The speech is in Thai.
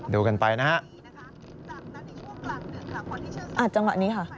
ดูกันไปนะครับ